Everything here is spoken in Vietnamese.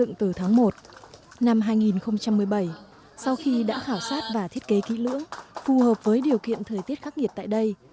năm hai nghìn một mươi bảy sau khi đã khảo sát và thiết kế kỹ lưỡng phù hợp với điều kiện thời tiết khắc nghiệt tại đây